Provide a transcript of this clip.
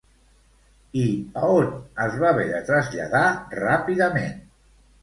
I a on es va haver de traslladar ràpidament?